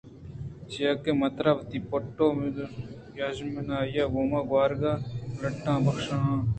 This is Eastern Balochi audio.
چیاکہ ما ترا وتی پُٹ ءُ پژمانی گوم ءَ گوٛرگ ءُ پُلاٹاں بخشاہاں